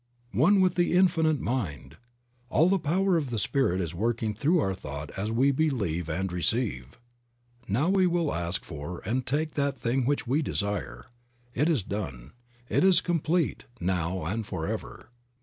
One with the Infinite Mind. All the power of the Spirit is working through our thought as we believe and receive. 70 Creative Mind. Now we will ask for and take that thing which we desire ; it is done, it is complete, now and forever.